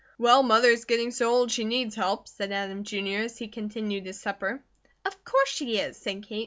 "Well, Mother is getting so old she needs help," said Adam, Jr., as he continued his supper. "Of course she is," said Kate.